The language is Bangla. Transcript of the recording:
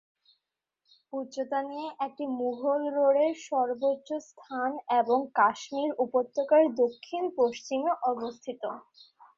উচ্চতা নিয়ে এটি মুঘল রোডের সর্বোচ্চ স্থান এবং কাশ্মীর উপত্যকার দক্ষিণ পশ্চিমে অবস্থিত।